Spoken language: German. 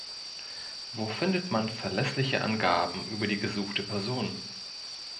Wo findet man verlässliche Angaben über die gesuchte Person?